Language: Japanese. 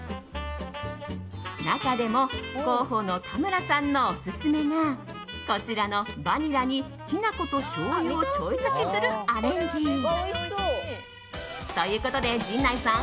中でも広報の田村さんのオススメがこちらのバニラにきな粉としょうゆをちょい足しするアレンジ。ということで、陣内さん。